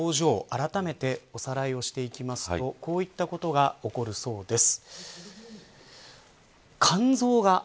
あらためておさらいをしていきますとこういったことが起こるそうです。